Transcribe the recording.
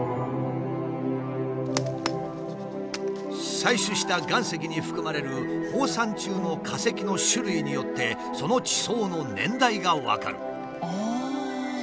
採取した岩石に含まれる放散虫の化石の種類によってその地層の年代が分かる。